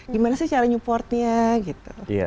gimana sih cara supportnya